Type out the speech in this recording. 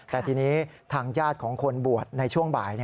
แต่ทีนี้ทางญาติของคนบวชในช่วงบ่าย